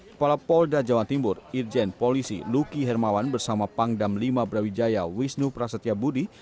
kepala polda jawa timur irjen polisi luki hermawan bersama pangdam lima brawijaya wisnu prasetya budi